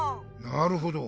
なるほど。